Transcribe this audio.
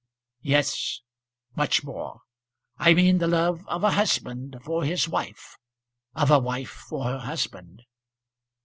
"Yes, much more. I mean the love of a husband for his wife; of a wife for her husband."